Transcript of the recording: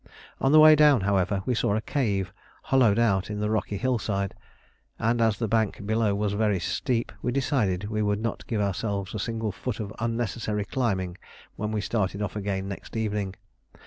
On the way down, however, we saw a cave hollowed out in the rocky hillside, and as the bank below was very steep, we decided we would not give ourselves a single foot of unnecessary climbing when we started off again next evening.